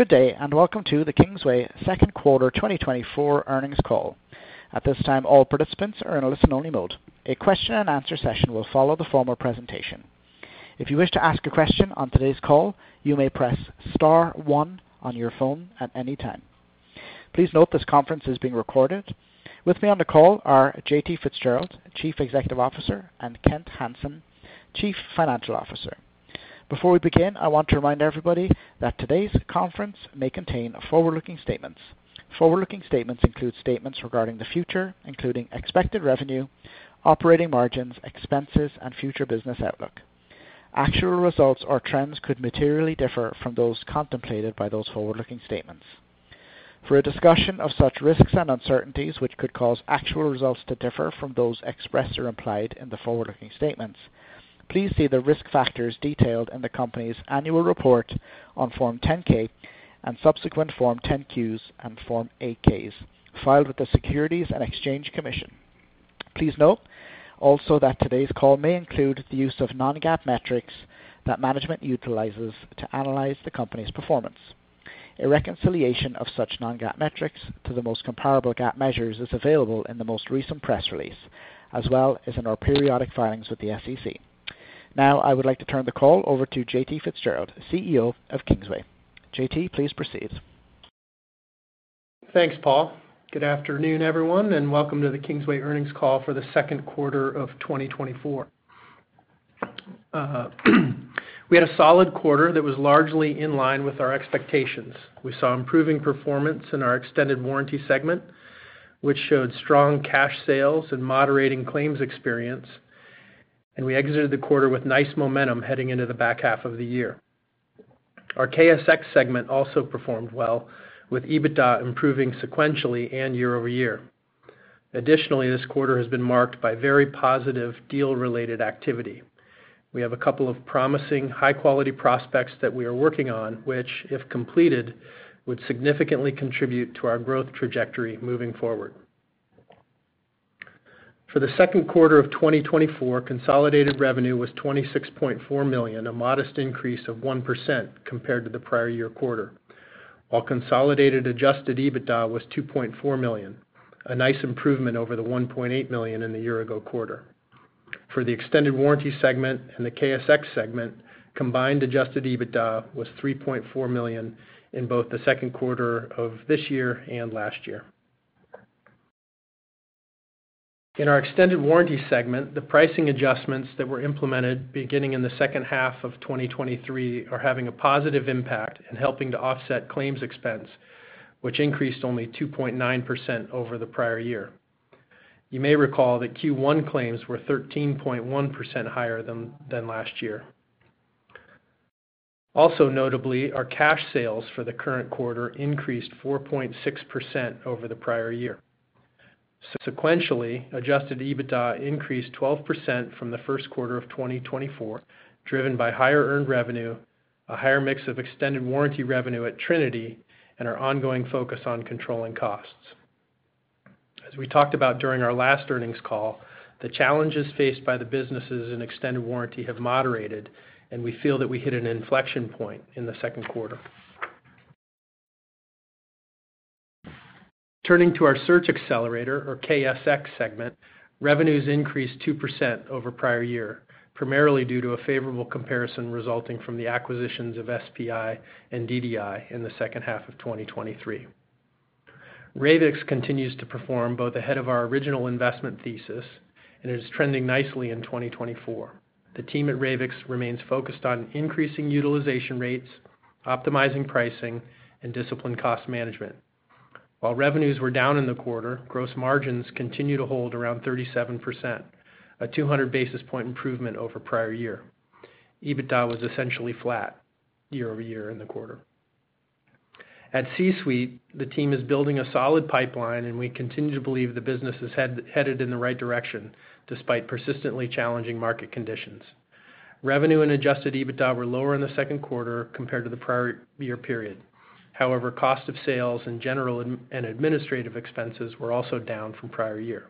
Good day, and welcome to the Kingsway Q2 2024 earnings call. At this time, all participants are in a listen-only mode. A question and answer session will follow the formal presentation. If you wish to ask a question on today's call, you may press star one on your phone at any time. Please note, this conference is being recorded. With me on the call are J.T. Fitzgerald, Chief Executive Officer, and Kent Hansen, Chief Financial Officer. Before we begin, I want to remind everybody that today's conference may contain forward-looking statements. Forward-looking statements include statements regarding the future, including expected revenue, operating margins, expenses, and future business outlook. Actual results or trends could materially differ from those contemplated by those forward-looking statements. For a discussion of such risks and uncertainties, which could cause actual results to differ from those expressed or implied in the forward-looking statements, please see the risk factors detailed in the company's annual report on Form 10-K and subsequent Form 10-Qs and Form 8-Ks, filed with the Securities and Exchange Commission. Please note also that today's call may include the use of non-GAAP metrics that management utilizes to analyze the company's performance. A reconciliation of such non-GAAP metrics to the most comparable GAAP measures is available in the most recent press release, as well as in our periodic filings with the SEC. Now, I would like to turn the call over to J.T. Fitzgerald, CEO of Kingsway. J.T., please proceed. Thanks, Paul. Good afternoon, everyone, and welcome to the Kingsway earnings call for the Q2 of 2024. We had a solid quarter that was largely in line with our expectations. We saw improving performance in our extended warranty segment, which showed strong cash sales and moderating claims experience, and we exited the quarter with nice momentum heading into the back half of the year. Our KSX segment also performed well, with EBITDA improving sequentially and year over year. Additionally, this quarter has been marked by very positive deal-related activity. We have a couple of promising, high-quality prospects that we are working on, which, if completed, would significantly contribute to our growth trajectory moving forward. For the Q2 of 2024, consolidated revenue was $26.4 million, a modest increase of 1% compared to the prior year quarter, while consolidated Adjusted EBITDA was $2.4 million, a nice improvement over the $1.8 million in the year-ago quarter. For the extended warranty segment and the KSX segment, combined Adjusted EBITDA was $3.4 million in both the Q2 of this year and last year. In our extended warranty segment, the pricing adjustments that were implemented beginning in the second half of 2023 are having a positive impact in helping to offset claims expense, which increased only 2.9% over the prior year. You may recall that Q1 claims were 13.1% higher than last year. Also notably, our cash sales for the current quarter increased 4.6% over the prior year. Sequentially, adjusted EBITDA increased 12% from the Q1 of 2024, driven by higher earned revenue, a higher mix of extended warranty revenue at Trinity, and our ongoing focus on controlling costs. As we talked about during our last earnings call, the challenges faced by the businesses in extended warranty have moderated, and we feel that we hit an inflection point in the Q2. Turning to our search accelerator, or KSX segment, revenues increased 2% over prior year, primarily due to a favorable comparison resulting from the acquisitions of SPI and DDI in the second half of 2023. Ravix continues to perform both ahead of our original investment thesis and is trending nicely in 2024. The team at Ravix remains focused on increasing utilization rates, optimizing pricing, and disciplined cost management. While revenues were down in the quarter, gross margins continue to hold around 37%, a 200 basis point improvement over prior year. EBITDA was essentially flat year-over-year in the quarter. At C-Suite, the team is building a solid pipeline, and we continue to believe the business is headed in the right direction, despite persistently challenging market conditions. Revenue and adjusted EBITDA were lower in the Q2 compared to the prior year period. However, cost of sales and general and administrative expenses were also down from prior year.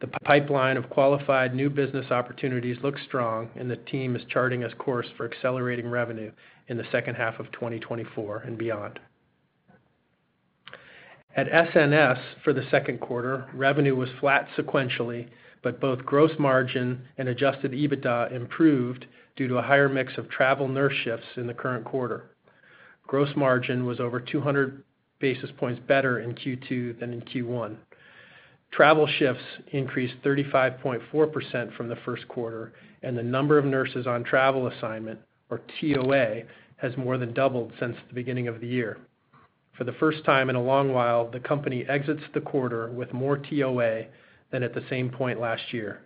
The pipeline of qualified new business opportunities looks strong, and the team is charting its course for accelerating revenue in the second half of 2024 and beyond. At SNS, for the Q2, revenue was flat sequentially, but both gross margin and Adjusted EBITDA improved due to a higher mix of travel nurse shifts in the current quarter. Gross margin was over 200 basis points better in Q2 than in Q1. Travel shifts increased 35.4% from the Q1, and the number of nurses on travel assignment, or TOA, has more than doubled since the beginning of the year. For the first time in a long while, the company exits the quarter with more TOA than at the same point last year.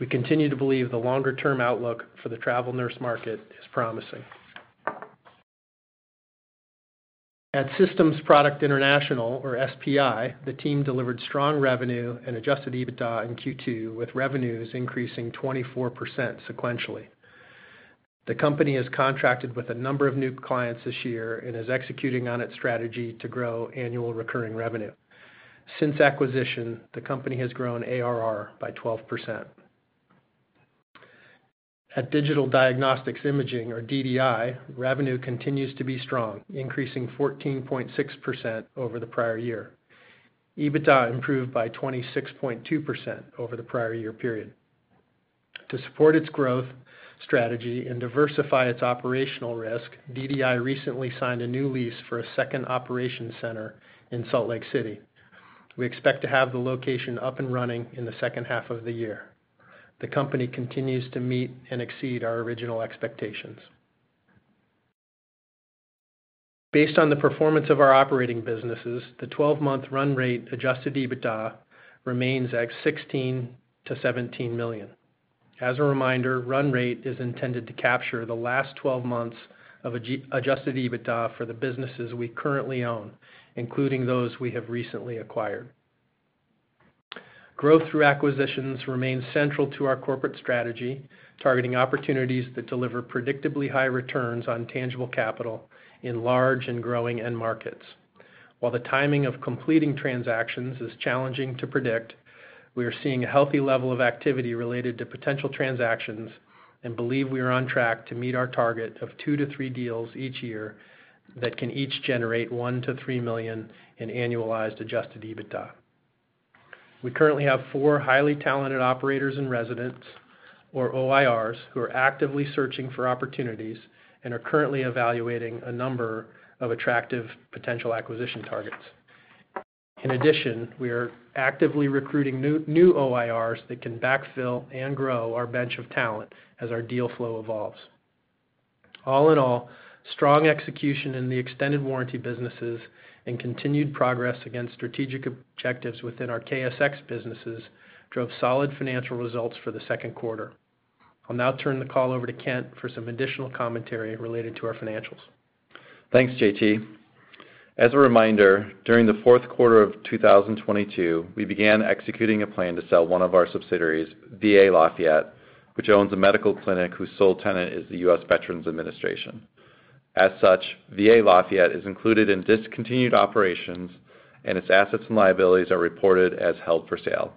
We continue to believe the longer-term outlook for the travel nurse market is promising. At Systems Products International, or SPI, the team delivered strong revenue and adjusted EBITDA in Q2, with revenues increasing 24% sequentially. The company has contracted with a number of new clients this year and is executing on its strategy to grow annual recurring revenue. Since acquisition, the company has grown ARR by 12%. At Digital Diagnostics Imaging, or DDI, revenue continues to be strong, increasing 14.6% over the prior year. EBITDA improved by 26.2% over the prior year period. To support its growth strategy and diversify its operational risk, DDI recently signed a new lease for a second operation center in Salt Lake City. We expect to have the location up and running in the second half of the year. The company continues to meet and exceed our original expectations. Based on the performance of our operating businesses, the 12-month run rate adjusted EBITDA remains at $16 million-$17 million. As a reminder, run rate is intended to capture the last 12 months of adjusted EBITDA for the businesses we currently own, including those we have recently acquired. Growth through acquisitions remains central to our corporate strategy, targeting opportunities that deliver predictably high returns on tangible capital in large and growing end markets. While the timing of completing transactions is challenging to predict, we are seeing a healthy level of activity related to potential transactions and believe we are on track to meet our target of 2-3 deals each year that can each generate $1 million-$3 million in annualized adjusted EBITDA. We currently have four highly talented Operators-in-Residence, or OIRs, who are actively searching for opportunities and are currently evaluating a number of attractive potential acquisition targets. In addition, we are actively recruiting new OIRs that can backfill and grow our bench of talent as our deal flow evolves. All in all, strong execution in the extended warranty businesses and continued progress against strategic objectives within our KSX businesses drove solid financial results for the Q2. I'll now turn the call over to Kent for some additional commentary related to our financials. Thanks, J.T. As a reminder, during the Q4 of 2022, we began executing a plan to sell one of our subsidiaries, VA Lafayette, which owns a medical clinic whose sole tenant is the U.S. Veterans Administration. As such, VA Lafayette is included in discontinued operations, and its assets and liabilities are reported as held for sale.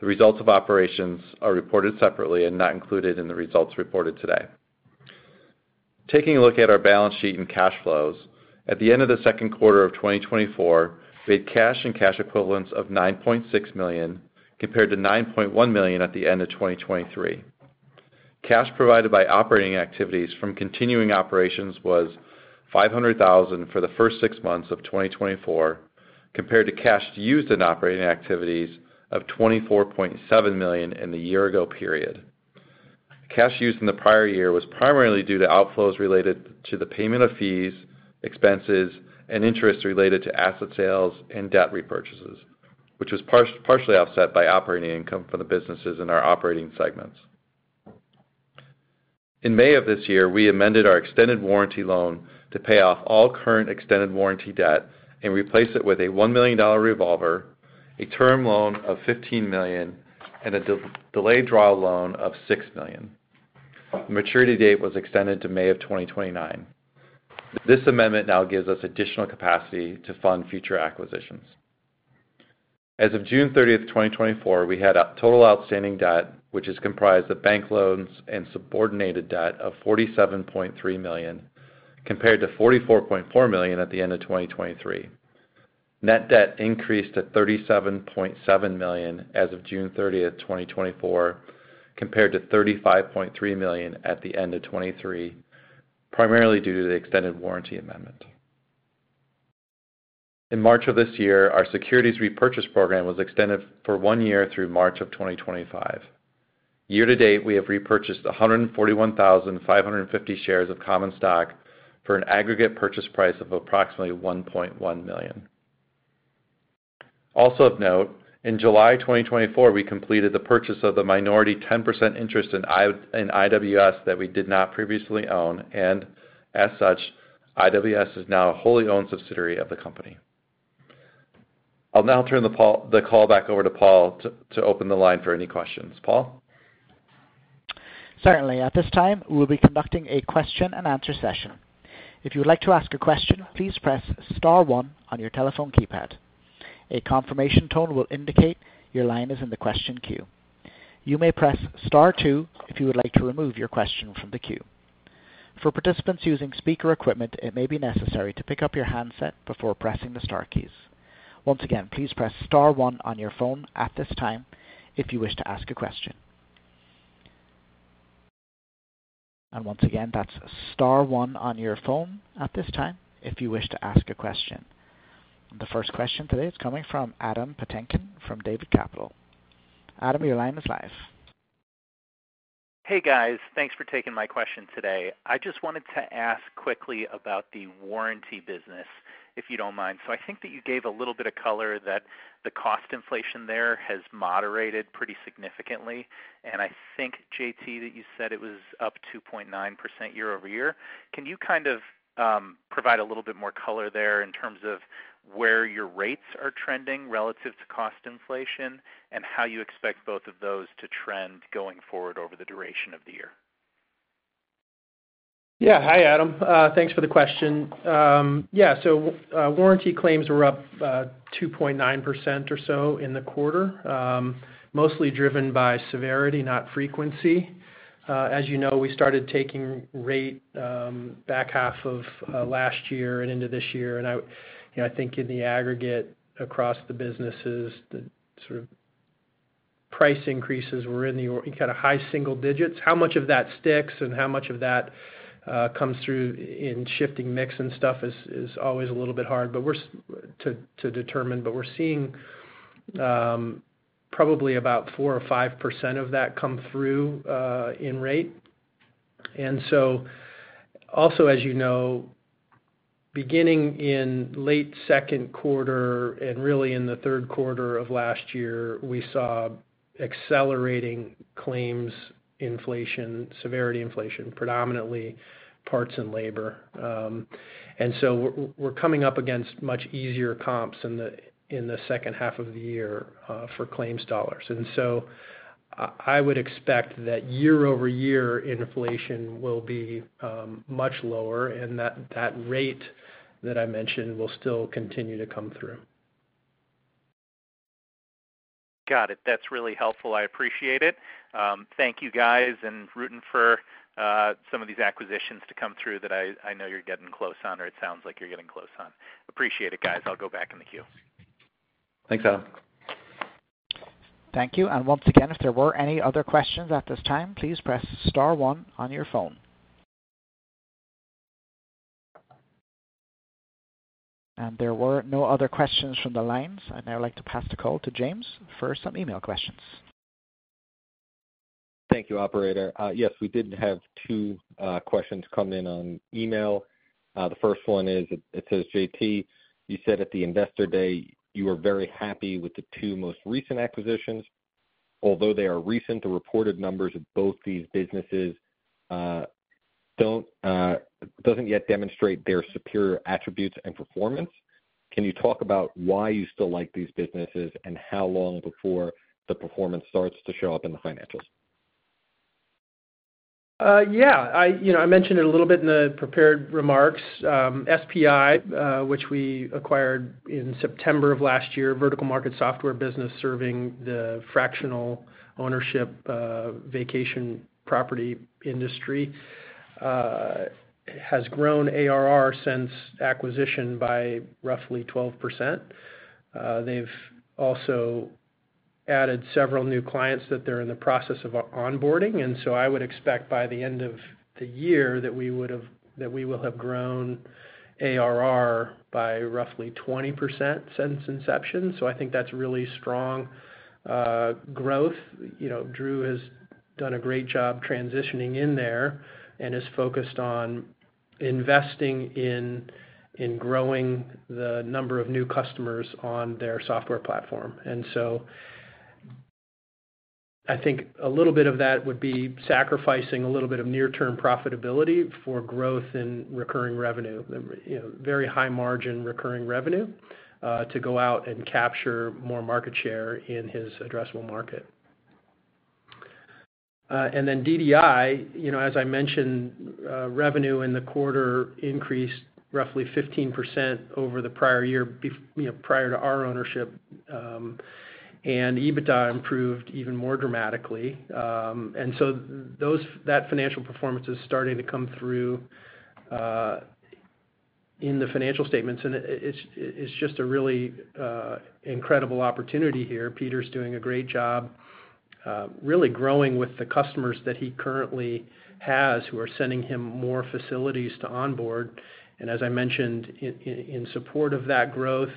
The results of operations are reported separately and not included in the results reported today. Taking a look at our balance sheet and cash flows, at the end of the Q2 of 2024, we had cash and cash equivalents of $9.6 million, compared to $9.1 million at the end of 2023. Cash provided by operating activities from continuing operations was $500,000 for the first six months of 2024, compared to cash used in operating activities of $24.7 million in the year ago period. Cash used in the prior year was primarily due to outflows related to the payment of fees, expenses, and interest related to asset sales and debt repurchases, which was partially offset by operating income for the businesses in our operating segments. In May of this year, we amended our extended warranty loan to pay off all current extended warranty debt and replace it with a $1 million revolver, a term loan of $15 million, and a delayed draw loan of $6 million. Maturity date was extended to May of 2029. This amendment now gives us additional capacity to fund future acquisitions. As of June 30, 2024, we had a total outstanding debt, which is comprised of bank loans and subordinated debt of $47.3 million, compared to $44.4 million at the end of 2023. Net debt increased to $37.7 million as of June 30, 2024, compared to $35.3 million at the end of 2023, primarily due to the extended warranty amendment. In March of this year, our securities repurchase program was extended for one year through March of 2025. Year to date, we have repurchased 141,550 shares of common stock for an aggregate purchase price of approximately $1.1 million. Also of note, in July 2024, we completed the purchase of the minority 10% interest in IWS that we did not previously own, and as such, IWS is now a wholly owned subsidiary of the company. I'll now turn the call back over to Paul to open the line for any questions. Paul? Certainly. At this time, we'll be conducting a question and answer session. If you would like to ask a question, please press star one on your telephone keypad. A confirmation tone will indicate your line is in the question queue. You may press star two if you would like to remove your question from the queue. For participants using speaker equipment, it may be necessary to pick up your handset before pressing the star keys. Once again, please press star one on your phone at this time if you wish to ask a question. Once again, that's star one on your phone at this time if you wish to ask a question. The first question today is coming from Adam Patinkin from David Capital. Adam, your line is live. Hey, guys. Thanks for taking my question today. I just wanted to ask quickly about the warranty business, if you don't mind. So I think that you gave a little bit of color that the cost inflation there has moderated pretty significantly, and I think, J.T., that you said it was up 2.9% year-over-year. Can you kind of provide a little bit more color there in terms of where your rates are trending relative to cost inflation and how you expect both of those to trend going forward over the duration of the year? ... Yeah. Hi, Adam. Thanks for the question. Yeah, so, warranty claims were up 2.9% or so in the quarter, mostly driven by severity, not frequency. As you know, we started taking rate back half of last year and into this year, and, you know, I think in the aggregate across the businesses, the sort of price increases were in the kind of high single digits. How much of that sticks and how much of that comes through in shifting mix and stuff is always a little bit hard to determine. But we're seeing probably about 4% or 5% of that come through in rate. And so, also, as you know, beginning in late Q2 and really in the Q3 of last year, we saw accelerating claims inflation, severity inflation, predominantly parts and labor. And so we're coming up against much easier comps in the second half of the year, for claims dollars. And so I would expect that year-over-year inflation will be much lower, and that rate that I mentioned will still continue to come through. Got it. That's really helpful. I appreciate it. Thank you, guys, and rooting for some of these acquisitions to come through that I, I know you're getting close on, or it sounds like you're getting close on. Appreciate it, guys. I'll go back in the queue. Thanks, Adam. Thank you. And once again, if there were any other questions at this time, please press star one on your phone. And there were no other questions from the lines. I'd now like to pass the call to James for some email questions. Thank you, operator. Yes, we did have two questions come in on email. The first one is, it says, "J.T., you said at the Investor Day, you were very happy with the two most recent acquisitions. Although they are recent, the reported numbers of both these businesses doesn't yet demonstrate their superior attributes and performance. Can you talk about why you still like these businesses, and how long before the performance starts to show up in the financials? Yeah. I, you know, I mentioned it a little bit in the prepared remarks. SPI, which we acquired in September of last year, vertical market software business, serving the fractional ownership, vacation property industry, has grown ARR since acquisition by roughly 12%. They've also added several new clients that they're in the process of onboarding, and so I would expect by the end of the year that we will have grown ARR by roughly 20% since inception. So I think that's really strong growth. You know, Drew has done a great job transitioning in there and is focused on investing in growing the number of new customers on their software platform. And so I think a little bit of that would be sacrificing a little bit of near-term profitability for growth in recurring revenue, you know, very high margin, recurring revenue, to go out and capture more market share in his addressable market. And then DDI, you know, as I mentioned, revenue in the quarter increased roughly 15% over the prior year, you know, prior to our ownership, and EBITDA improved even more dramatically. And so that financial performance is starting to come through in the financial statements, and it's just a really incredible opportunity here. Peter's doing a great job, really growing with the customers that he currently has, who are sending him more facilities to onboard. As I mentioned, in support of that growth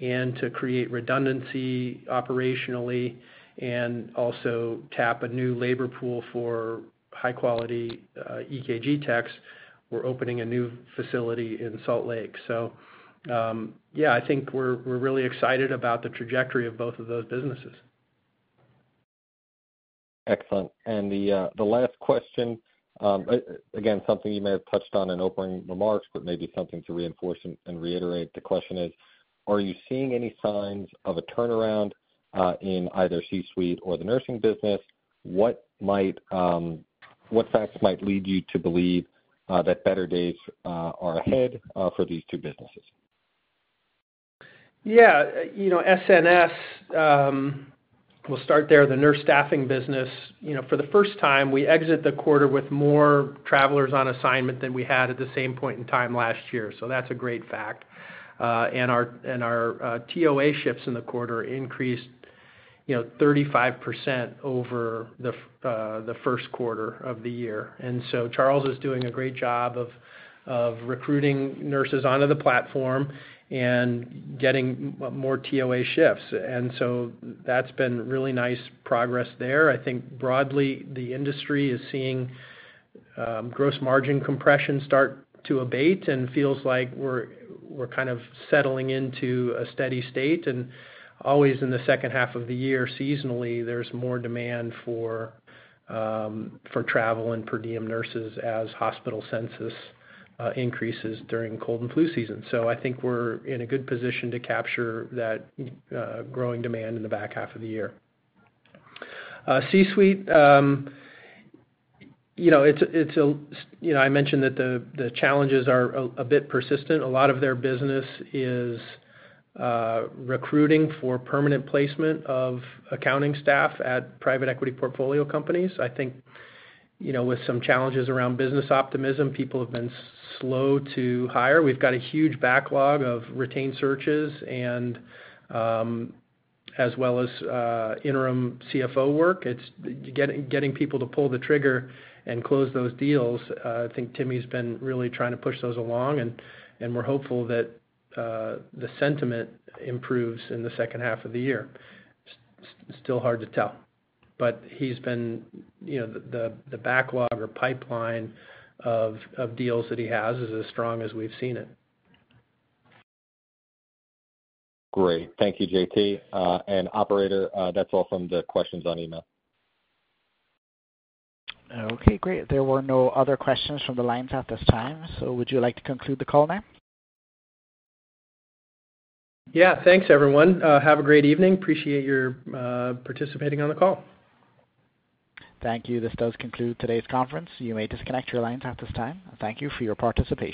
and to create redundancy operationally and also tap a new labor pool for high quality EKG techs, we're opening a new facility in Salt Lake. So, yeah, I think we're really excited about the trajectory of both of those businesses. Excellent. And the last question, again, something you may have touched on in opening remarks, but maybe something to reinforce and reiterate. The question is: Are you seeing any signs of a turnaround in either C-Suite or the nursing business? What might, what facts might lead you to believe that better days are ahead for these two businesses? Yeah. You know, SNS, we'll start there. The nurse staffing business, you know, for the first time, we exit the quarter with more travelers on assignment than we had at the same point in time last year, so that's a great fact. And our TOA shifts in the quarter increased, you know, 35% over theQ1 of the year. And so Charles is doing a great job of recruiting nurses onto the platform and getting more TOA shifts, and so that's been really nice progress there. I think broadly, the industry is seeing gross margin compression start to abate and feels like we're kind of settling into a steady state. Always in the second half of the year, seasonally, there's more demand for travel and per diem nurses as hospital census increases during cold and flu season. So I think we're in a good position to capture that growing demand in the back half of the year. C-Suite, you know, it's you know, I mentioned that the challenges are a bit persistent. A lot of their business is recruiting for permanent placement of accounting staff at private equity portfolio companies. I think, you know, with some challenges around business optimism, people have been slow to hire. We've got a huge backlog of retained searches and as well as interim CFO work. It's getting people to pull the trigger and close those deals. I think Timmy's been really trying to push those along, and we're hopeful that the sentiment improves in the second half of the year. Still hard to tell, but he's been... You know, the backlog or pipeline of deals that he has is as strong as we've seen it. Great. Thank you, J.T. Operator, that's all from the questions on email. Okay, great. There were no other questions from the lines at this time. So would you like to conclude the call now? Yeah. Thanks, everyone. Have a great evening. Appreciate your participating on the call. Thank you. This does conclude today's conference. You may disconnect your lines at this time. Thank you for your participation.